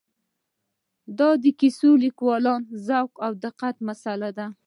دا د کیسه لیکوالو ذوق او دقت مساله ده.